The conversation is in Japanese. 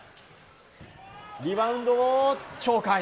リバウンドを鳥海。